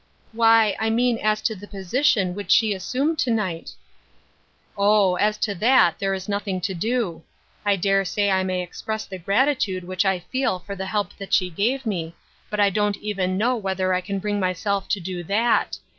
" Why, I mean as to the position which she assumed to night." " Oh, as to that, there is nothing to do. I dare say I may express the gratitude which I reel for the help that she gave me, but I don't even know whether I can bring myself to do that.